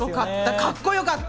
かっこよかった！